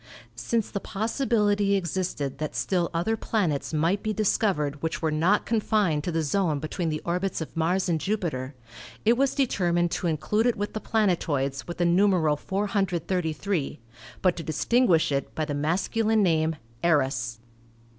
Since the possibility existed that still other planets might be discovered which were not confined to the zone between the orbits of Mars and Jupiter, it was determined to include it with the THE PLANETOIDS 225 planetoids with the numeral 433, but to distinguish it by the masculine name Eros.